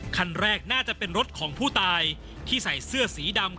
คันแรกน่าจะเป็นรถของผู้ตายที่ใส่เสื้อสีดำ